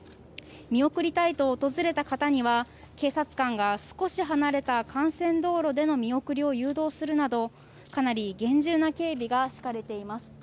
見送りたいと訪れた方には警察官が少し離れた幹線道路での見送りを誘導するなどかなり厳重な警備が敷かれています。